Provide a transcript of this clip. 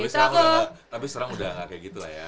tapi sekarang udah gak kayak gitu ya